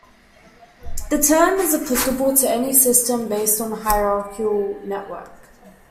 The term is applicable to any system based on a hierarchical network.